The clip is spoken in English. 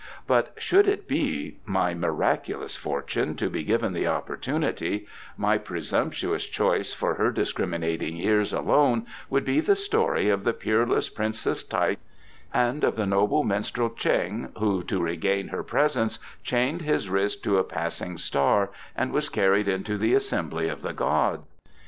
But should it be my miraculous fortune to be given the opportunity, my presumptuous choice for her discriminating ears alone would be the story of the peerless Princess Taik and of the noble minstrel Ch'eng, who to regain her presence chained his wrist to a passing star and was carried into the assembly of the gods."